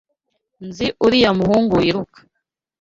Nzi uriya muhungu wiruka.